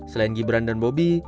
selain gibran dan bobi